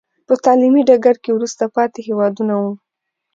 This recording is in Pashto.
په تعلیمي ډګر کې وروسته پاتې هېوادونه وو.